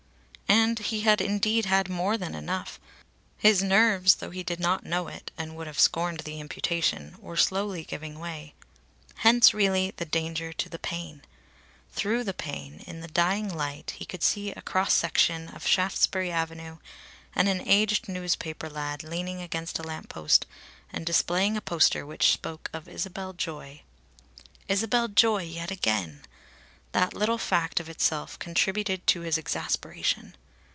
And he had indeed had more than enough. His nerves, though he did not know it, and would have scorned the imputation, were slowly giving way. Hence, really, the danger to the pane! Through the pane, in the dying light he could see a cross section of Shaftesbury Avenue, and an aged newspaper lad leaning against a lamp post and displaying a poster which spoke of Isabel Joy. Isabel Joy yet again! That little fact of itself contributed to his exasperation.